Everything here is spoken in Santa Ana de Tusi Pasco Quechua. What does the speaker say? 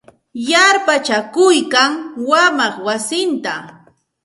Yarpachakuykan wamaq wasinta.